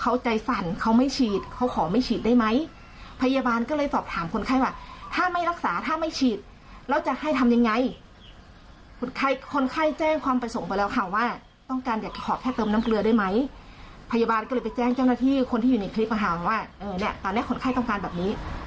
อ้าวสรุปจะนอนให้ได้ใช่ไหมจะนอนให้ได้ใช่ไหม